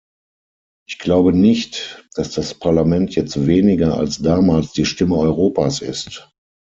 Ich glaube nicht, dass das Parlament jetzt weniger als damals die Stimme Europas ist.